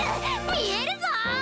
見えるぞ！